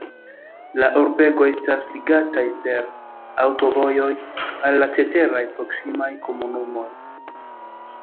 La urbego estas ligataj per aŭtovojoj al la ceteraj proksimaj komunumoj.